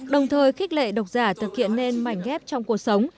đồng thời khích lệ độc giả thực hiện nên mảnh ghép trong cuộc sống